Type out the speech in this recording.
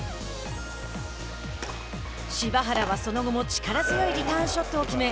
柴原は、その後も力強いリターンショットを決め